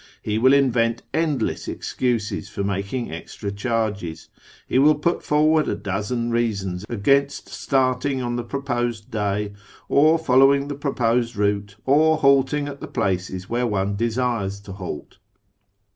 He will invent endless excuses for making extra charges ; he will put forward a dozen reasons against starting on the prop»osed FROM TEHERAn to ISFAHAN 157 day, or following the proposed route, or halting at the places where one desires to halt.